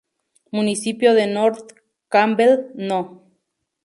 Municipio de North Campbell No.